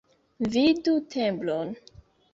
Vidu tembron.